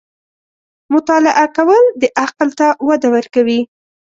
• مطالعه کول، د عقل ته وده ورکوي.